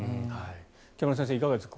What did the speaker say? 北村先生、いかがですか。